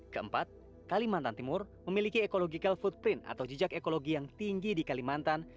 keempat kalimantan timur memiliki ekological footprint atau jejak ekologi yang tinggi di kalimantan